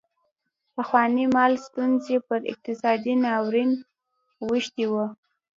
پخوانۍ مالي ستونزې پر اقتصادي ناورین اوښتې وې.